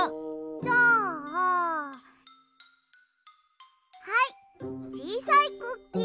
じゃあはいちいさいクッキー。